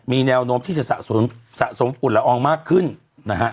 มีแนวโน้มที่จะสะสมสะสมฝุ่นละอองมากขึ้นนะฮะ